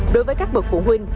đối với các bậc phụ huynh